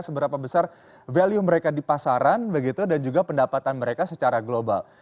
seberapa besar value mereka di pasaran begitu dan juga pendapatan mereka secara global